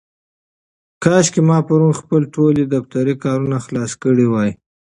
کاشکې ما پرون خپل ټول دفترې کارونه خلاص کړي وای.